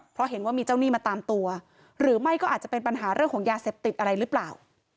เพราะเห็นว่ามีเจ้าหนี้มาตามตัวหรือไม่ก็อาจจะเป็นปัญหาเรื่องของยาเสพติดอะไรหรือเปล่า